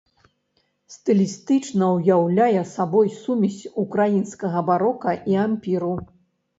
Стылістычна ўяўляе сабой сумесь ўкраінскага барока і ампіру.